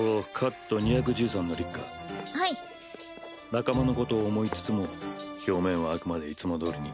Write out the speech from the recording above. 仲間のことを思いつつも表面はあくまでいつもどおりに。